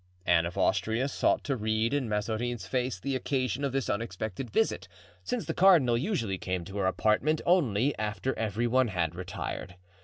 Anne of Austria sought to read in Mazarin's face the occasion of this unexpected visit, since the cardinal usually came to her apartment only after every one had retired.